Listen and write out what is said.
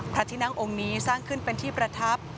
พระที่นั่งองค์นี้สร้างขึ้นเป็นที่ประทับ